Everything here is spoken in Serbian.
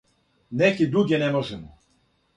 Неке друге не можемо.